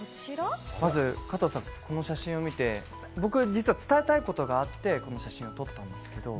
まず加藤さん、この写真を見て、僕、実は伝えたいことがあって、この写真を撮ったんですけ